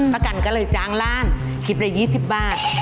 ประกันก็เลยจางร้านคิดได้๒๐บาท